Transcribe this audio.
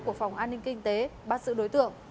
của phòng an ninh kinh tế bắt giữ đối tượng